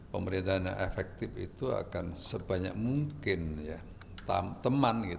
pemerintah yang efektif itu akan sebanyak mungkin teman